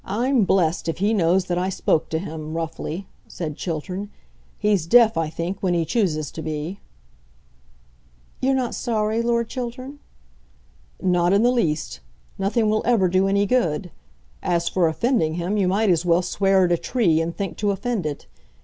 "I'm blessed if he knows that I spoke to him, roughly," said Chiltern. "He's deaf, I think, when he chooses to be." "You're not sorry, Lord Chiltern." "Not in the least. Nothing will ever do any good. As for offending him, you might as well swear at a tree, and think to offend it.